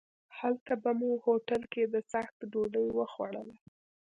هلته مو په هوټل کې د څاښت ډوډۍ وخوړله.